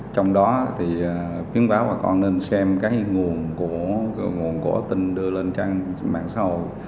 trong đó thì khuyến cáo bà con nên xem cái nguồn của tin đưa lên trang mạng xã hội